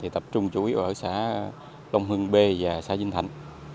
tập trung chủ yếu ở xã long hưng b và xã vinh thạnh